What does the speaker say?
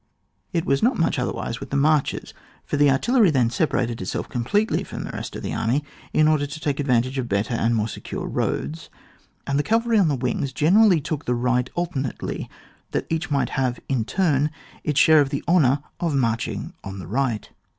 It was not much otherwise with the CHAP. VI.] GENERAL DISPOSITION OF AN ARMY, 17 marches, for tlie artiUerj then separated itself completely from the rest of the armj, in order to take advantage of better and more secure roads, and the cavalry on the wings generally took the right alternately^ that each might have in turn its share of the honour of marching on the right.